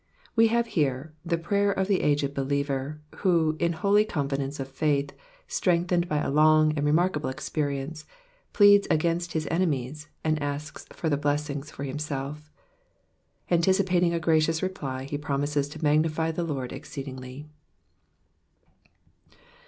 We hai^ here the pbayeb of the aged bzlieveb, who, in holy confidence qf faith, strengthened by a long and* remarkable experience, pleads against his enemies, and asks further blessings f&r himself. Anticipating a gracious reply, tie promises to magnify the Lord exceedingly.